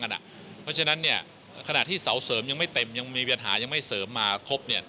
เพราะฉะนั้นขณะที่เสาเสริมยังไม่เต็มยังมีปัญหายังไม่เสริมมาครบ